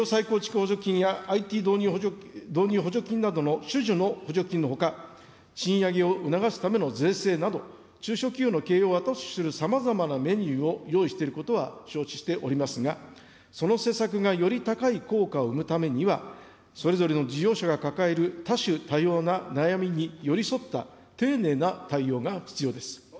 補助金やＩＴ導入補助金などの種々の補助金のほか、賃上げを促すための税制など、中小企業の経営を後押しする様々なメニューを用意していることは承知しておりますが、その施策がより高い効果を生むためには、それぞれの事業者が抱える多種多様な悩みに寄り添った、丁寧な対応が必要です。